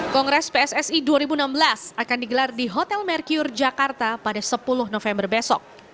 kongres pssi dua ribu enam belas akan digelar di hotel merkure jakarta pada sepuluh november besok